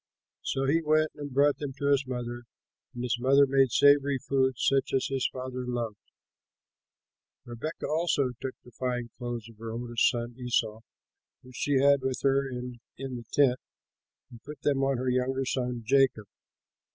So he went and brought them to his mother, and his mother made savory food such as his father loved. Rebekah also took the fine clothes of her older son Esau, which she had with her in the tent, and put them on her younger son Jacob.